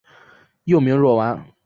幼名若丸。